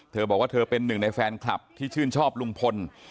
เธอบอกว่าเธอเป็นหนึ่งในแฟนคลับที่ชื่นชอบลุงพล